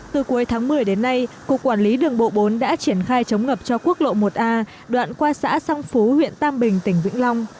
từ cuối tháng một mươi đến nay cục quản lý đường bộ bốn đã triển khai chống ngập cho quốc lộ một a đoạn qua xã song phú huyện tam bình tỉnh vĩnh long